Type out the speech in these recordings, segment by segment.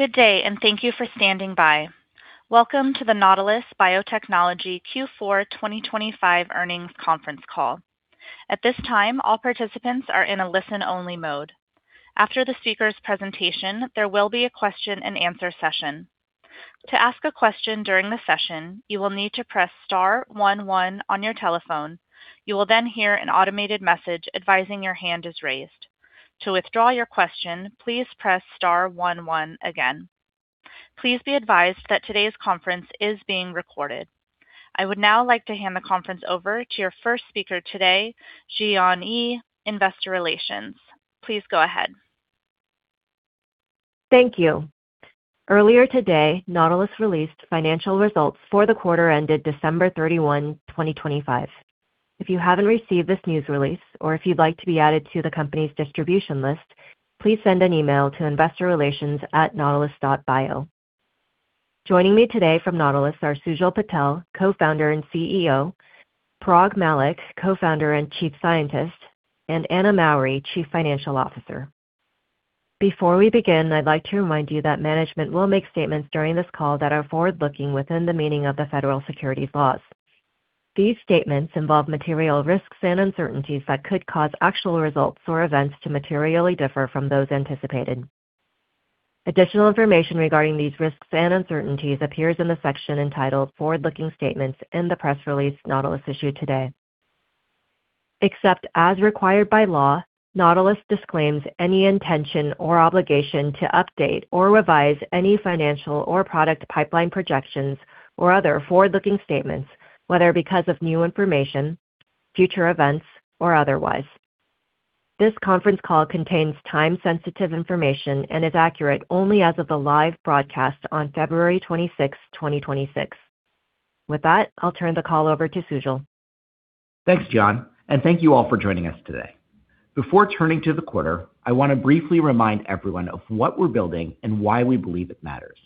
Good day, and thank you for standing by. Welcome to the Nautilus Biotechnology Q4 2025 earnings conference call. At this time, all participants are in a listen-only mode. After the speaker's presentation, there will be a question-and-answer session. To ask a question during the session, you will need to press star 11 on your telephone. You will then hear an automated message advising your hand is raised. To withdraw your question, please press star 11 again. Please be advised that today's conference is being recorded. I would now like to hand the conference over to your first speaker today, Jian Yi, Investor Relations. Please go ahead. Thank you. Earlier today, Nautilus released financial results for the quarter ended December 31, 2025. If you haven't received this news release or if you'd like to be added to the company's distribution list, please send an email to investorrelations@nautilus.bio. Joining me today from Nautilus are Sujal Patel, Co-founder and CEO, Parag Mallick, Co-founder and Chief Scientist, and Anna Mowry, Chief Financial Officer. Before we begin, I'd like to remind you that management will make statements during this call that are forward-looking within the meaning of the federal securities laws. These statements involve material risks and uncertainties that could cause actual results or events to materially differ from those anticipated. Additional information regarding these risks and uncertainties appears in the section entitled Forward-Looking Statements in the press release Nautilus issued today. Except as required by law, Nautilus disclaims any intention or obligation to update or revise any financial or product pipeline projections or other forward-looking statements, whether because of new information, future events, or otherwise. This conference call contains time-sensitive information and is accurate only as of the live broadcast on February twenty-sixth, 2026. With that, I'll turn the call over to Sujal. Thanks, Jian. Thank you all for joining us today. Before turning to the quarter, I want to briefly remind everyone of what we're building and why we believe it matters.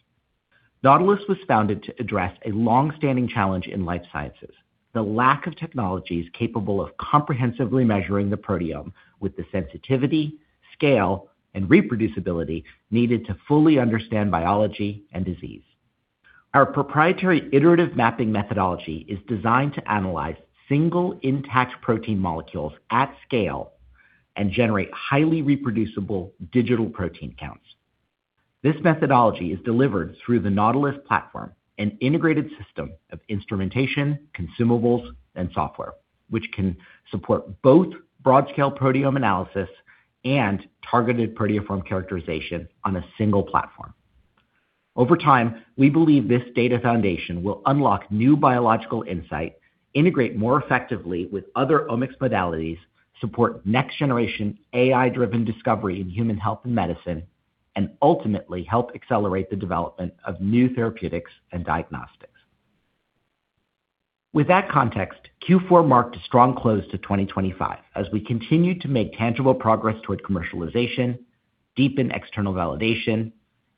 Nautilus was founded to address a long-standing challenge in life sciences, the lack of technologies capable of comprehensively measuring the proteome with the sensitivity, scale, and reproducibility needed to fully understand biology and disease. Our proprietary Iterative Mapping methodology is designed to analyze single, intact protein molecules at scale and generate highly reproducible digital protein counts. This methodology is delivered through the Nautilus platform, an integrated system of instrumentation, consumables, and software, which can support both broad-scale proteome analysis and targeted proteoform characterization on a single platform. Over time, we believe this data foundation will unlock new biological insight, integrate more effectively with other omics modalities, support next-generation AI-driven discovery in human health and medicine, and ultimately help accelerate the development of new therapeutics and diagnostics. With that context, Q4 marked a strong close to 2025 as we continued to make tangible progress toward commercialization, deepen external validation,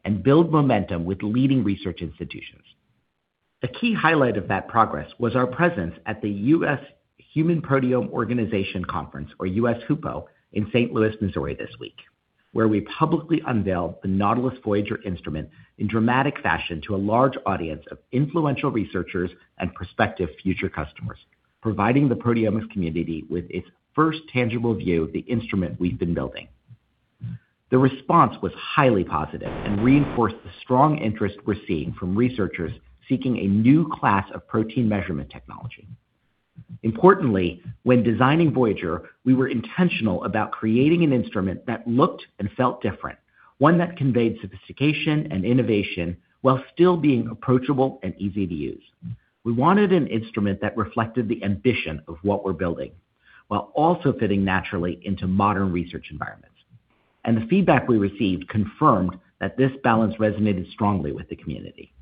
and build momentum with leading research institutions. A key highlight of that progress was our presence at the U.S. Human Proteome Organization Conference, or US HUPO, in St. Louis, Missouri, this week, where we publicly unveiled the Nautilus Voyager instrument in dramatic fashion to a large audience of influential researchers and prospective future customers, providing the proteomics community with its first tangible view of the instrument we've been building. The response was highly positive and reinforced the strong interest we're seeing from researchers seeking a new class of protein measurement technology. Importantly, when designing Voyager, we were intentional about creating an instrument that looked and felt different, one that conveyed sophistication and innovation while still being approachable and easy to use. We wanted an instrument that reflected the ambition of what we're building, while also fitting naturally into modern research environments, and the feedback we received confirmed that this balance resonated strongly with the community.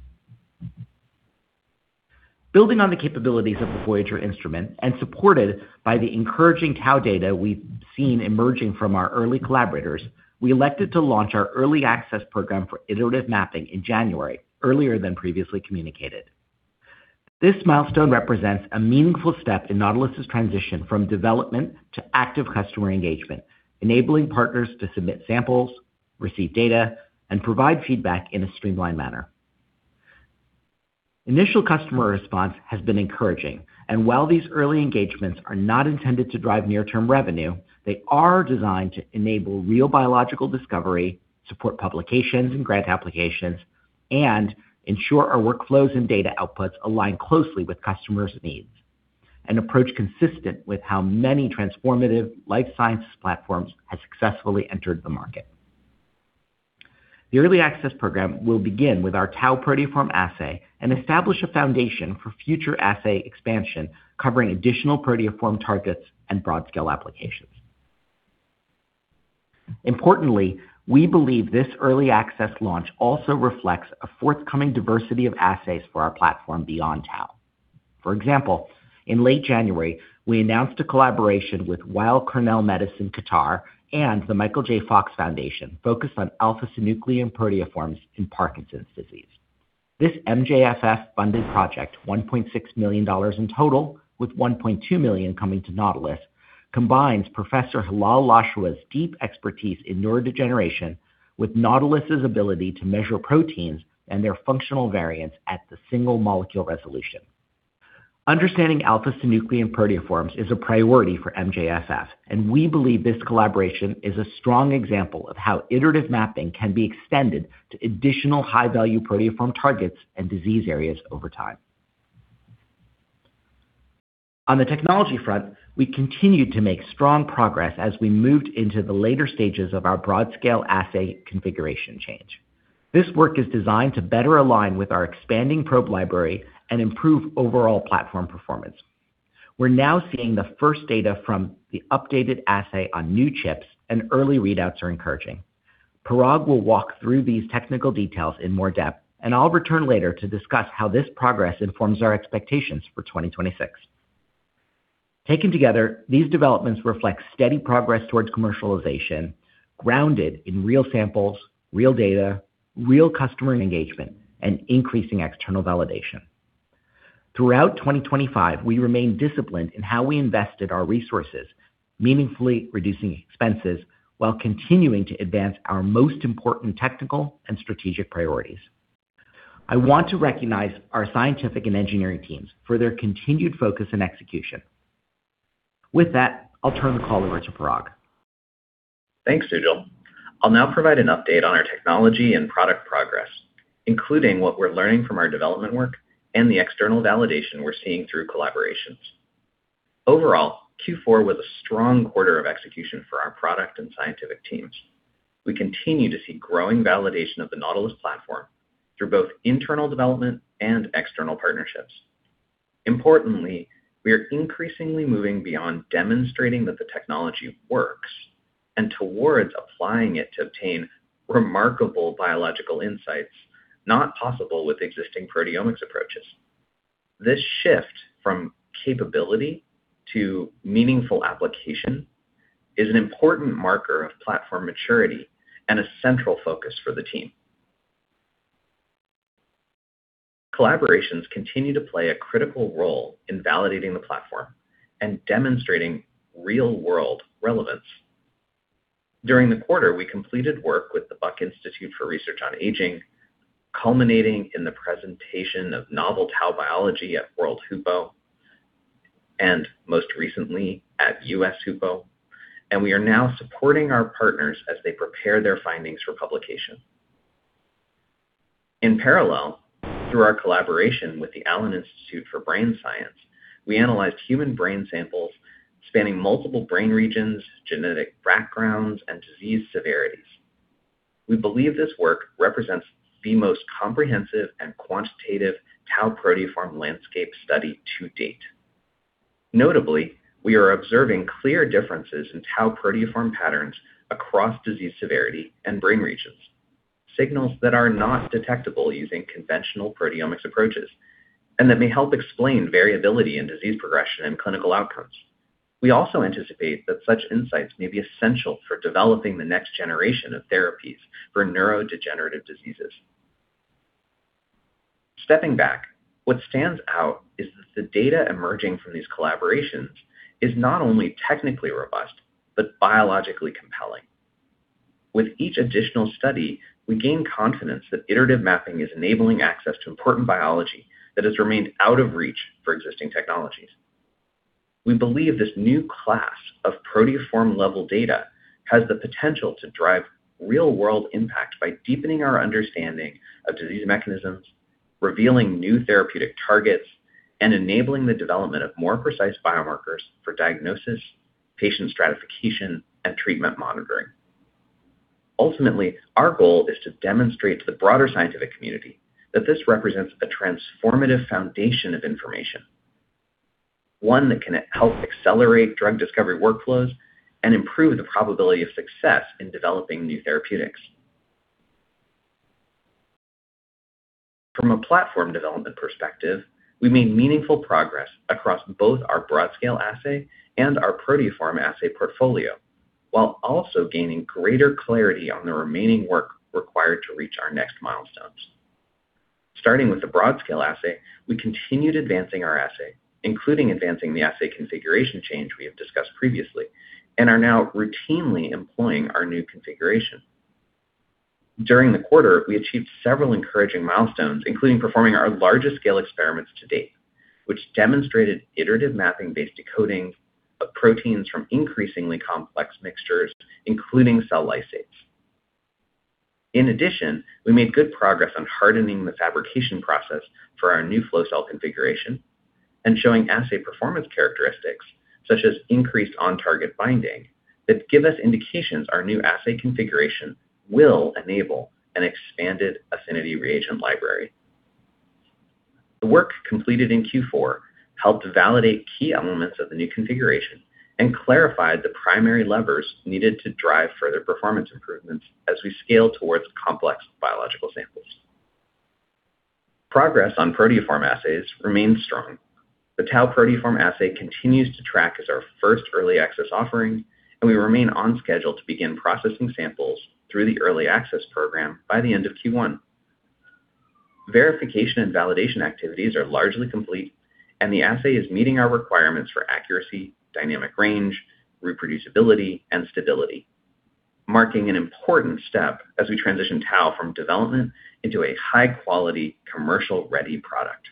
Building on the capabilities of the Voyager instrument and supported by the encouraging tau data we've seen emerging from our early collaborators, we elected to launch our early access program for Iterative Mapping in January, earlier than previously communicated. This milestone represents a meaningful step in Nautilus's transition from development to active customer engagement, enabling partners to submit samples, receive data, and provide feedback in a streamlined manner. Initial customer response has been encouraging, while these early engagements are not intended to drive near-term revenue, they are designed to enable real biological discovery, support publications and grant applications, and ensure our workflows and data outputs align closely with customers' needs, an approach consistent with how many transformative life sciences platforms have successfully entered the market. The early access program will begin with our tau proteoform assay and establish a foundation for future assay expansion, covering additional proteoform targets and broad-scale applications. Importantly, we believe this early access launch also reflects a forthcoming diversity of assays for our platform beyond tau. For example, in late January, we announced a collaboration with Weill Cornell Medicine-Qatar and the Michael J. Fox Foundation focused on alpha-synuclein proteoforms in Parkinson's disease. This MJFF-funded project, $1.6 million in total, with $1.2 million coming to Nautilus, combines Professor Hilal Lashuel's deep expertise in neurodegeneration with Nautilus's ability to measure proteins and their functional variants at the single molecule resolution. Understanding alpha-synuclein proteoforms is a priority for MJFF, and we believe this collaboration is a strong example of how Iterative Mapping can be extended to additional high-value proteoform targets and disease areas over time. On the technology front, we continued to make strong progress as we moved into the later stages of our broad-scale assay configuration change. This work is designed to better align with our expanding probe library and improve overall platform performance. We're now seeing the first data from the updated assay on new chips, and early readouts are encouraging. Parag will walk through these technical details in more depth, and I'll return later to discuss how this progress informs our expectations for 2026. Taken together, these developments reflect steady progress towards commercialization, grounded in real samples, real data, real customer engagement, and increasing external validation. Throughout 2025, we remained disciplined in how we invested our resources, meaningfully reducing expenses while continuing to advance our most important technical and strategic priorities. I want to recognize our scientific and engineering teams for their continued focus and execution. With that, I'll turn the call over to Parag. Thanks, Sujal. I'll now provide an update on our technology and product progress, including what we're learning from our development work and the external validation we're seeing through collaborations. Overall, Q4 was a strong quarter of execution for our product and scientific teams. We continue to see growing validation of the Nautilus platform through both internal development and external partnerships. Importantly, we are increasingly moving beyond demonstrating that the technology works, and towards applying it to obtain remarkable biological insights not possible with existing proteomics approaches. This shift from capability to meaningful application is an important marker of platform maturity and a central focus for the team. Collaborations continue to play a critical role in validating the platform and demonstrating real-world relevance. During the quarter, we completed work with the Buck Institute for Research on Aging, culminating in the presentation of novel tau biology at World HUPO, and most recently at US HUPO, and we are now supporting our partners as they prepare their findings for publication. In parallel, through our collaboration with the Allen Institute for Brain Science, we analyzed human brain samples spanning multiple brain regions, genetic backgrounds, and disease severities. We believe this work represents the most comprehensive and quantitative tau proteoform landscape study to date. Notably, we are observing clear differences in tau proteoform patterns across disease severity and brain regions, signals that are not detectable using conventional proteomics approaches, and that may help explain variability in disease progression and clinical outcomes. We also anticipate that such insights may be essential for developing the next generation of therapies for neurodegenerative diseases. Stepping back, what stands out is that the data emerging from these collaborations is not only technically robust, but biologically compelling. With each additional study, we gain confidence that Iterative Mapping is enabling access to important biology that has remained out of reach for existing technologies. We believe this new class of proteoform-level data has the potential to drive real-world impact by deepening our understanding of disease mechanisms, revealing new therapeutic targets, and enabling the development of more precise biomarkers for diagnosis, patient stratification, and treatment monitoring. Ultimately, our goal is to demonstrate to the broader scientific community that this represents a transformative foundation of information, one that can help accelerate drug discovery workflows and improve the probability of success in developing new therapeutics. From a platform development perspective, we made meaningful progress across both our broad scale assay, and our proteoform assay portfolio, while also gaining greater clarity on the remaining work required to reach our next milestones. Starting with the broad scale assay, we continued advancing our assay, including advancing the assay configuration change we have discussed previously, and are now routinely employing our new configuration. During the quarter, we achieved several encouraging milestones, including performing our largest scale experiments to date, which demonstrated Iterative Mapping-based decoding of proteins from increasingly complex mixtures, including cell lysates. In addition, we made good progress on hardening the fabrication process for our new flow cell configuration and showing assay performance characteristics, such as increased on-target binding, that give us indications our new assay configuration will enable an expanded affinity reagent library. The work completed in Q4 helped validate key elements of the new configuration, and clarified the primary levers needed to drive further performance improvements as we scale towards complex biological samples. Progress on proteoform assays remains strong. The tau proteoform assay continues to track as our first early access offering, and we remain on schedule to begin processing samples through the early access program by the end of Q1. Verification and validation activities are largely complete, and the assay is meeting our requirements for accuracy, dynamic range, reproducibility, and stability, marking an important step as we transition tau from development into a high-quality, commercial-ready product.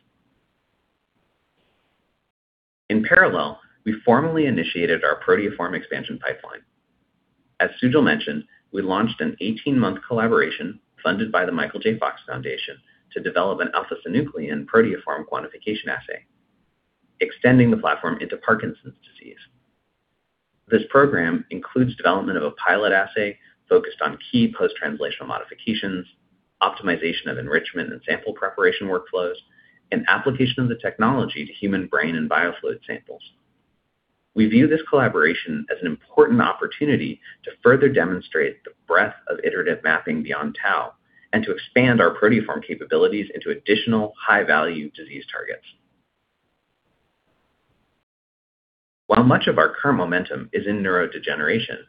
In parallel, we formally initiated our proteoform expansion pipeline. As Sujal mentioned, we launched an 18-month collaboration funded by the Michael J. Fox Foundation to develop an alpha-synuclein proteoform quantification assay, extending the platform into Parkinson's disease. This program includes development of a pilot assay focused on key post-translational modifications, optimization of enrichment and sample preparation workflows, and application of the technology to human brain and biofluid samples. We view this collaboration as an important opportunity to further demonstrate the breadth of Iterative Mapping beyond tau, and to expand our proteoform capabilities into additional high-value disease targets. While much of our current momentum is in neurodegeneration,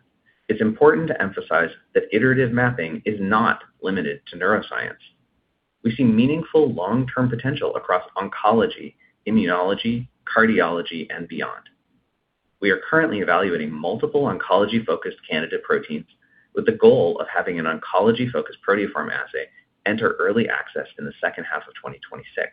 it's important to emphasize that Iterative Mapping is not limited to neuroscience. We see meaningful long-term potential across oncology, immunology, cardiology, and beyond. We are currently evaluating multiple oncology-focused candidate proteins with the goal of having an oncology-focused proteoform assay enter early access in the second half of 2026.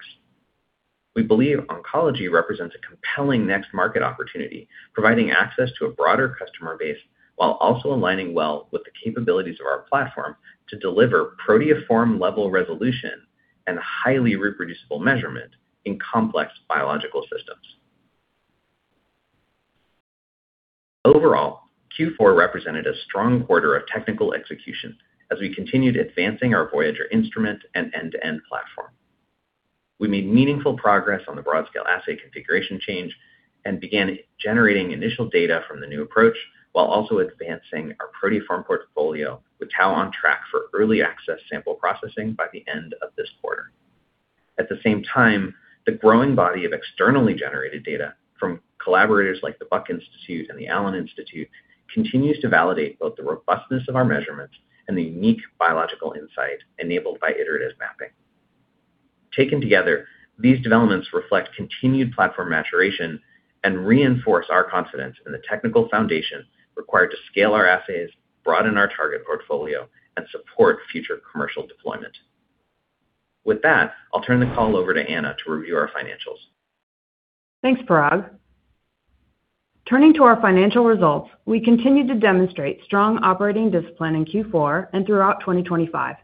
We believe oncology represents a compelling next market opportunity, providing access to a broader customer base, while also aligning well with the capabilities of our platform to deliver proteoform-level resolution and highly reproducible measurement in complex biological systems. Overall, Q4 represented a strong quarter of technical execution as we continued advancing our Voyager instrument and end-to-end platform. We made meaningful progress on the broad-scale assay configuration change, and began generating initial data from the new approach, while also advancing our proteoform portfolio, with tau on track for early access sample processing by the end of this quarter. At the same time, the growing body of externally generated data from collaborators like the Buck Institute and the Allen Institute continues to validate both the robustness of our measurements and the unique biological insight enabled by Iterative Mapping. Taken together, these developments reflect continued platform maturation and reinforce our confidence in the technical foundation required to scale our assays, broaden our target portfolio, and support future commercial deployment. With that, I'll turn the call over to Anna to review our financials. Thanks, Parag. Turning to our financial results, we continued to demonstrate strong operating discipline in Q4 and throughout 2025.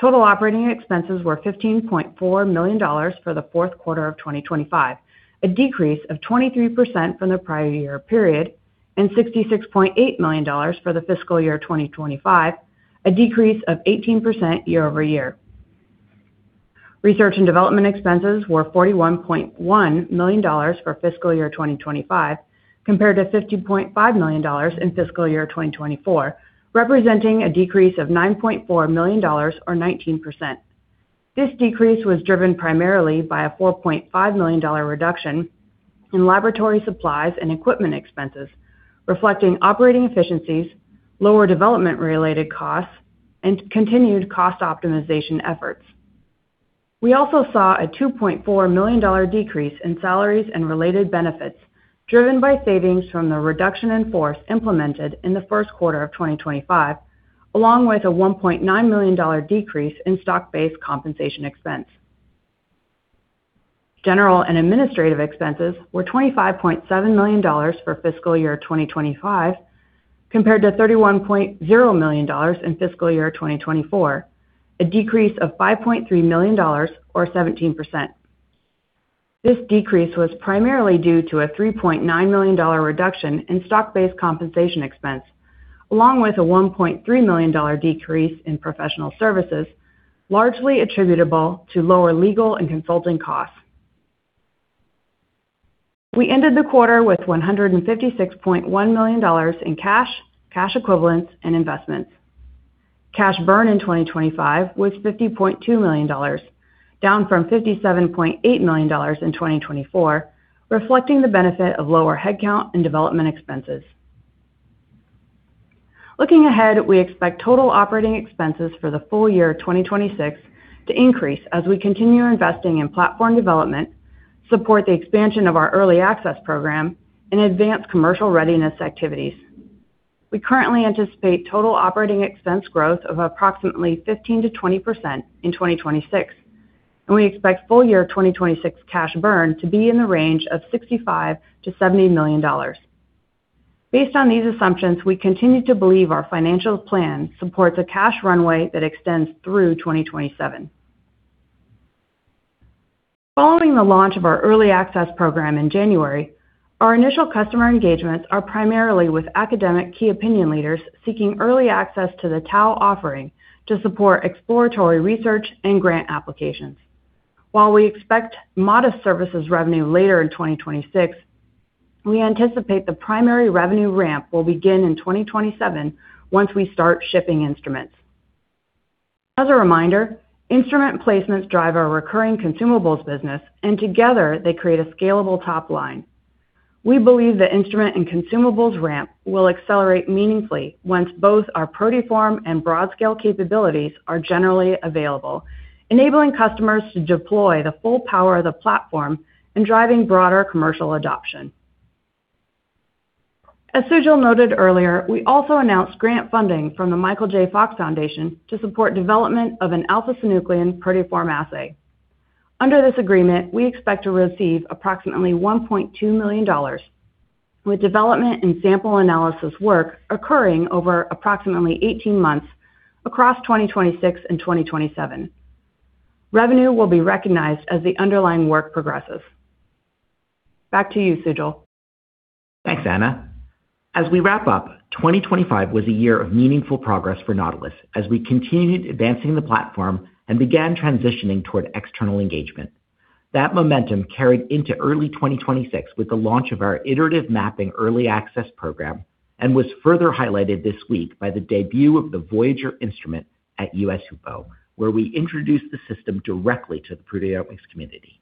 Total operating expenses were $15.4 million for the fourth quarter of 2025, a decrease of 23% from the prior year period, and $66.8 million for the fiscal year 2025, a decrease of 18% year-over-year. Research and development expenses were $41.1 million for fiscal year 2025, compared to $50.5 million in fiscal year 2024, representing a decrease of $9.4 million or 19%. This decrease was driven primarily by a $4.5 million reduction in laboratory supplies and equipment expenses, reflecting operating efficiencies, lower development-related costs, and continued cost optimization efforts. We also saw a $2.4 million decrease in salaries, and related benefits, driven by savings from the reduction in force implemented in the first quarter of 2025, along with a $1.9 million decrease in stock-based compensation expense. General and administrative expenses were $25.7 million for fiscal year 2025, compared to $31.0 million in fiscal year 2024, a decrease of $5.3 million or 17%. This decrease was primarily due to a $3.9 million reduction in stock-based compensation expense, along with a $1.3 million decrease in professional services, largely attributable to lower legal and consulting costs. We ended the quarter with $156.1 million in cash equivalents, and investments. Cash burn in 2025 was $50.2 million, down from $57.8 million in 2024, reflecting the benefit of lower headcount and development expenses. Looking ahead, we expect total operating expenses for the full year 2026 to increase as we continue investing in platform development, support the expansion of our early access program, and advance commercial readiness activities. We currently anticipate total operating expense growth of approximately 15%-20% in 2026, and we expect full year 2026 cash burn to be in the range of $65 million-$70 million. Based on these assumptions, we continue to believe our financial plan supports a cash runway that extends through 2027. Following the launch of our early access program in January, our initial customer engagements are primarily with academic key opinion leaders seeking early access to the tau offering to support exploratory research and grant applications. While we expect modest services revenue later in 2026, we anticipate the primary revenue ramp will begin in 2027 once we start shipping instruments. As a reminder, instrument placements drive our recurring consumables business, and together they create a scalable top line. We believe the instrument and consumables ramp will accelerate meaningfully once both our proteoform and broad scale capabilities are generally available, enabling customers to deploy the full power of the platform and driving broader commercial adoption. As Sujal noted earlier, we also announced grant funding from the Michael J. Fox Foundation to support development of an alpha-synuclein proteoform assay. Under this agreement, we expect to receive approximately $1.2 million, with development and sample analysis work occurring over approximately 18 months across 2026 and 2027. Revenue will be recognized as the underlying work progresses. Back to you, Sujal. Thanks, Anna. As we wrap up, 2025 was a year of meaningful progress for Nautilus as we continued advancing the platform and began transitioning toward external engagement. That momentum carried into early 2026 with the launch of our Iterative Mapping Early Access Program and was further highlighted this week by the debut of the Voyager instrument at US HUPO, where we introduced the system directly to the proteomics community.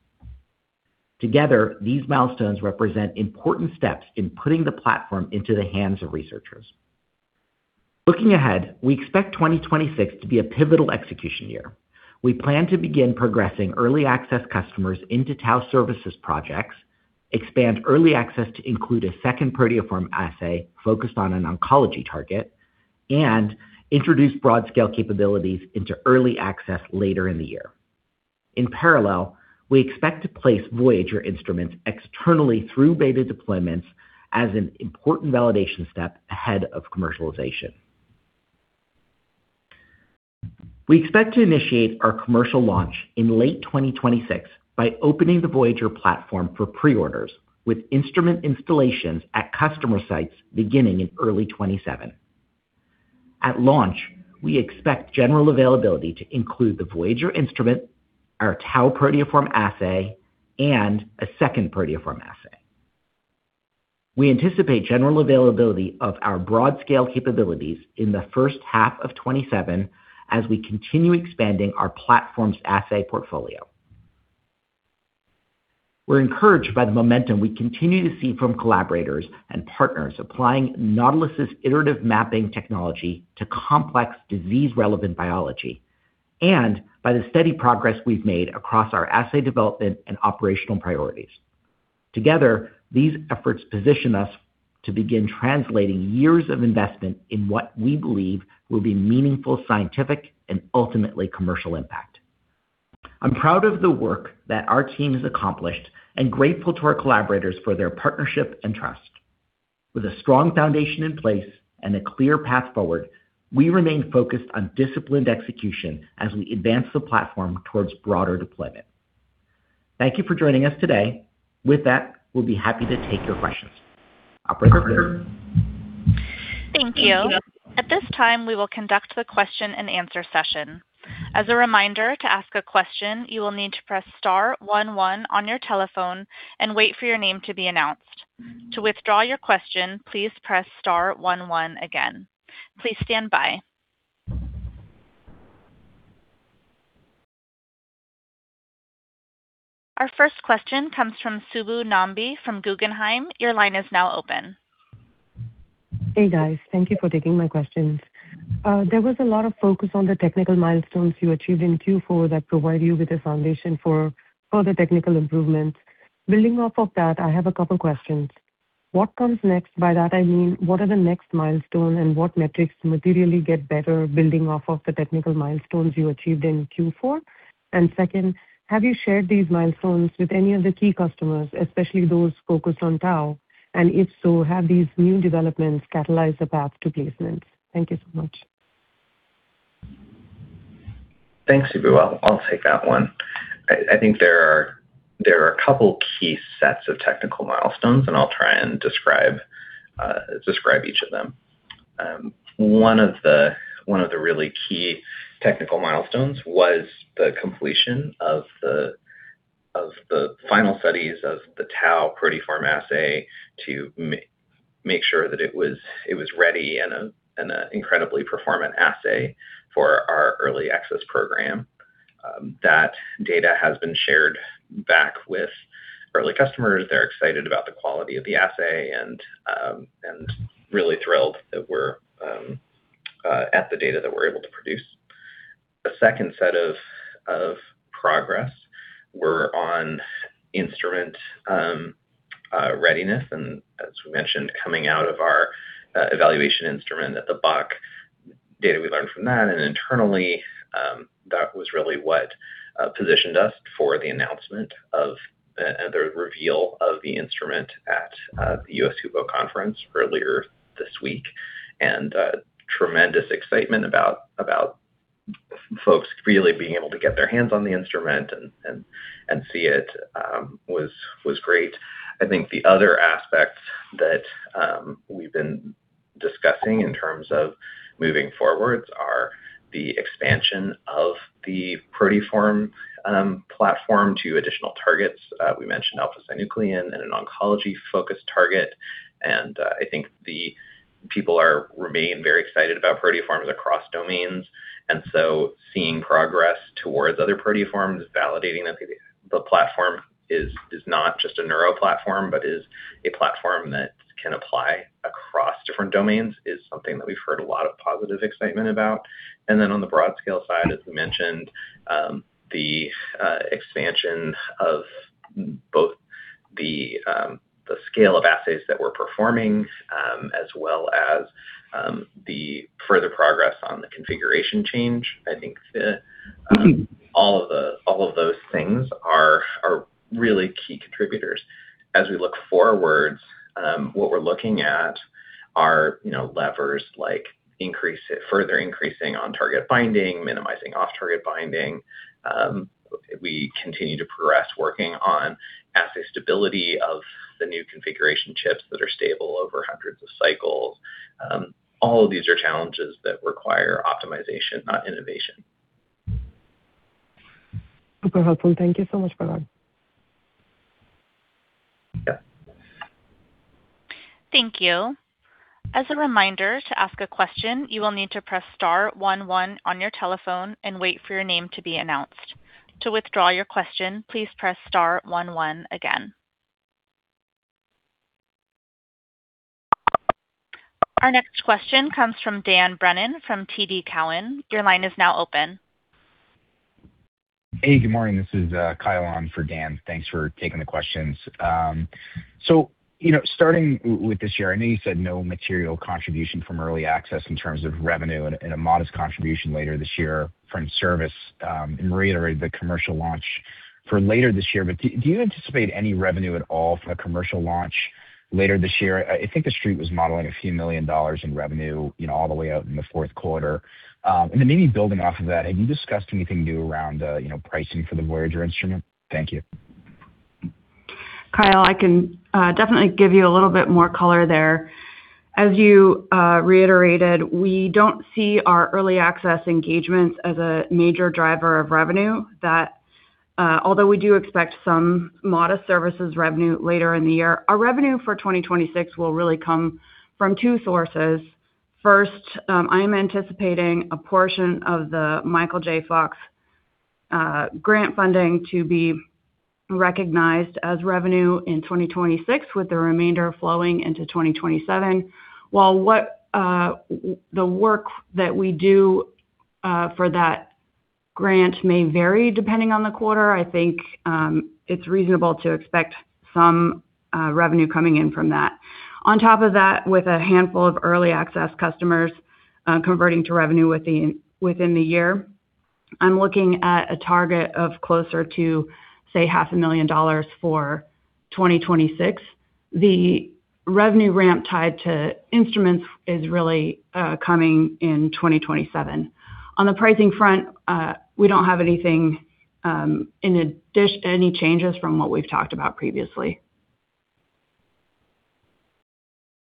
Together, these milestones represent important steps in putting the platform into the hands of researchers. Looking ahead, we expect 2026 to be a pivotal execution year. We plan to begin progressing early access customers into tau services projects, expand early access to include a second proteoform assay focused on an oncology target, and introduce broad scale capabilities into early access later in the year. In parallel, we expect to place Voyager instruments externally through beta deployments as an important validation step ahead of commercialization. We expect to initiate our commercial launch in late 2026 by opening the Voyager platform for pre-orders, with instrument installations at customer sites beginning in early 2027. At launch, we expect general availability to include the Voyager instrument, our tau proteoform assay, and a second proteoform assay. We anticipate general availability of our broad scale capabilities in the first half of 2027 as we continue expanding our platform's assay portfolio. We're encouraged by the momentum we continue to see from collaborators and partners applying Nautilus's Iterative Mapping technology to complex disease-relevant biology and by the steady progress we've made across our assay development and operational priorities. Together, these efforts position us to begin translating years of investment in what we believe will be meaningful scientific and ultimately commercial impact. I'm proud of the work that our team has accomplished and grateful to our collaborators for their partnership and trust. With a strong foundation in place and a clear path forward, we remain focused on disciplined execution as we advance the platform towards broader deployment. Thank you for joining us today. With that, we'll be happy to take your questions. Operator? Thank you. At this time, we will conduct the question-and-answer session. As a reminder, to ask a question, you will need to press star one one on your telephone and wait for your name to be announced. To withdraw your question, please press star one one again. Please stand by. Our first question comes from Subhasis Nambi from Guggenheim. Your line is now open. Hey, guys. Thank you for taking my questions. There was a lot of focus on the technical milestones you achieved in Q4 that provide you with a foundation for further technical improvements. Building off of that, I have a couple questions. What comes next? By that I mean, what are the next milestones, and what metrics materially get better, building off of the technical milestones you achieved in Q4? Second, have you shared these milestones with any of the key customers, especially those focused on tau? If so, have these new developments catalyzed the path to placements? Thank you so much. Thanks, Subbu. I'll take that one. I think there are a couple key sets of technical milestones, and I'll try and describe each of them. One of the really key technical milestones was the completion of the final studies of the tau proteoform assay to make sure that it was ready and an incredibly performant assay for our Early Access Program. That data has been shared back with early customers. They're excited about the quality of the assay and really thrilled that we're at the data that we're able to produce. The second set of progress were on instrument readiness, and as we mentioned, coming out of our evaluation instrument at the Buck, data we learned from that and internally, that was really what positioned us for the announcement of and the reveal of the instrument at the US HUPO conference earlier this week. Tremendous excitement about folks really being able to get their hands on the instrument and see it was great. I think the other aspect that we've been discussing in terms of moving forward are the expansion of...... the proteoform platform to additional targets. We mentioned alpha-synuclein and an oncology-focused target. I think the people remain very excited about proteoforms across domains. Seeing progress towards other proteoforms, validating that the platform is not just a neuro platform, but is a platform that can apply across different domains, is something that we've heard a lot of positive excitement about. On the broad scale side, as we mentioned, the expansion of both the scale of assays that we're performing, as well as the further progress on the configuration change. I think the all of those things are really key contributors. As we look forwards, what we're looking at are, you know, levers like further increasing on-target binding, minimizing off-target binding. We continue to progress working on assay stability of the new configuration chips that are stable over hundreds of cycles. All of these are challenges that require optimization, not innovation. Super helpful. Thank you so much, Parag. Yeah. Thank you. As a reminder, to ask a question, you will need to press star one one on your telephone and wait for your name to be announced. To withdraw your question, please press star one one again. Our next question comes from Dan Brennan from TD Cowen. Your line is now open. Hey, good morning. This is Kyle on for Dan. Thanks for taking the questions. You know, starting with this year, I know you said no material contribution from early access in terms of revenue and a modest contribution later this year from service, and reiterated the commercial launch for later this year. Do you anticipate any revenue at all from a commercial launch later this year? I think the Street was modeling a few million dollars in revenue, you know, all the way out in the fourth quarter. Maybe building off of that, have you discussed anything new around, you know, pricing for the Voyager instrument? Thank you. Kyle, I can definitely give you a little bit more color there. As you reiterated, we don't see our early access engagements as a major driver of revenue that, although we do expect some modest services revenue later in the year, our revenue for 2026 will really come from two sources. First, I'm anticipating a portion of the Michael J. Fox grant funding to be recognized as revenue in 2026, with the remainder flowing into 2027. While the work that we do for that grant may vary depending on the quarter, I think it's reasonable to expect some revenue coming in from that. On top of that, with a handful of early access customers, converting to revenue within the year, I'm looking at a target of closer to, say, half a million dollars for 2026. The revenue ramp tied to instruments is really coming in 2027. On the pricing front, we don't have anything in addition, any changes from what we've talked about previously.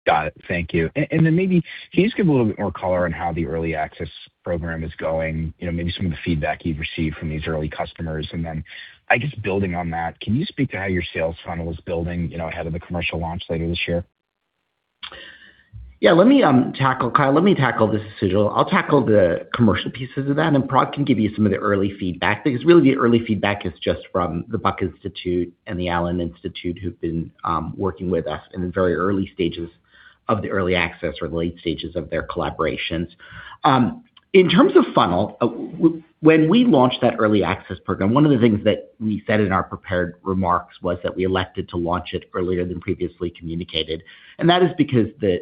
Got it. Thank you. Maybe can you just give a little bit more color on how the early access program is going, you know, maybe some of the feedback you've received from these early customers? I guess, building on that, can you speak to how your sales funnel is building, you know, ahead of the commercial launch later this year? Yeah. Let me tackle, Kyle, let me tackle this issue. I'll tackle the commercial pieces of that, and Parag can give you some of the early feedback, because really, the early feedback is just from the Buck Institute and the Allen Institute, who've been working with us in the very early stages of the early access or the late stages of their collaborations. In terms of funnel, when we launched that Early Access Program, one of the things that we said in our prepared remarks was that we elected to launch it earlier than previously communicated. That is because the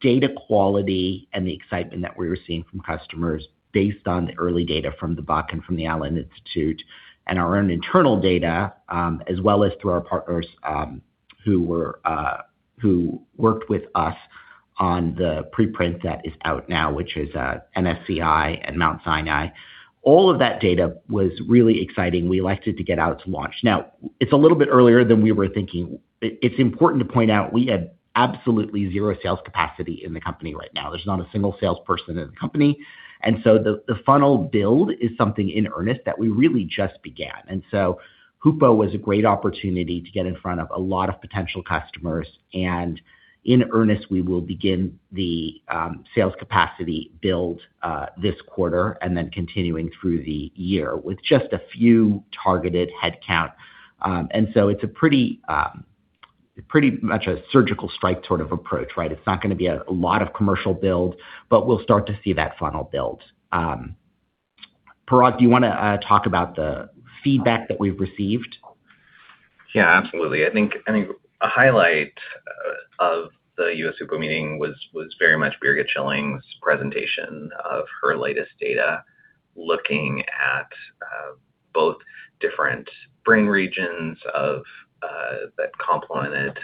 data quality and the excitement that we were seeing from customers based on the early data from the Buck and from the Allen Institute and our own internal data, as well as through our partners, who worked with us on the preprint that is out now, which is National Cancer Institute and Mount Sinai. All of that data was really exciting. We elected to get out to launch. It's a little bit earlier than we were thinking. It's important to point out we had absolutely 0 sales capacity in the company right now. There's not a single salesperson in the company. The funnel build is something in earnest that we really just began. HUPO was a great opportunity to get in front of a lot of potential customers, and in earnest, we will begin the sales capacity build this quarter, and then continuing through the year with just a few targeted headcount. It's a pretty much a surgical strike sort of approach, right? It's not gonna be a lot of commercial build, but we'll start to see that funnel build. Parag, do you wanna talk about the feedback that we've received? Yeah, absolutely. I think a highlight of the US HUPO meeting was very much Birgit Schilling's presentation of her latest data, looking at both different brain regions of that complemented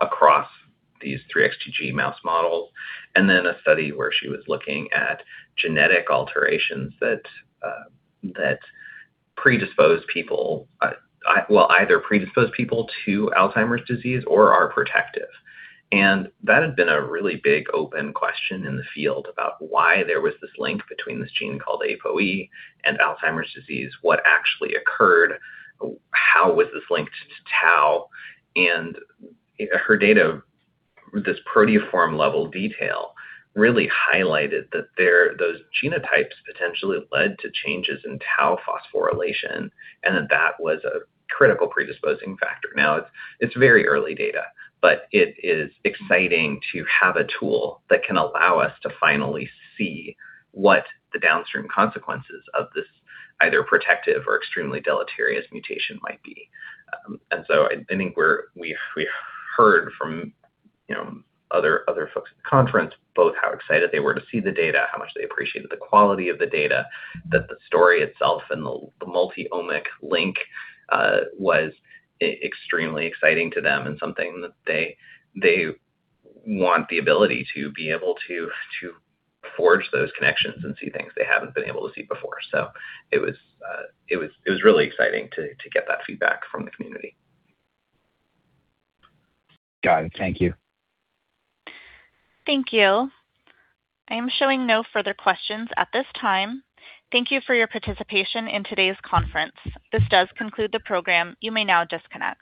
across these 3xTg-AD mouse models, and then a study where she was looking at genetic alterations that well, either predispose people to Alzheimer's disease or are protective. That had been a really big open question in the field about why there was this link between this gene called APOE, and Alzheimer's disease, what actually occurred, how was this linked to tau? Her data, this proteoform-level detail, really highlighted that those genotypes potentially led to changes in tau phosphorylation, and that was a critical predisposing factor. It's very early data, but it is exciting to have a tool that can allow us to finally see what the downstream consequences of this either protective or extremely deleterious mutation might be. I think we've heard from, you know, other folks at the conference, both how excited they were to see the data, how much they appreciated the quality of the data, that the story itself and the multi-omic link was extremely exciting to them and something that they want the ability to be able to forge those connections and see things they haven't been able to see before. It was really exciting to get that feedback from the community. Got it. Thank you. Thank you. I am showing no further questions at this time. Thank you for your participation in today's conference. This does conclude the program. You may now disconnect.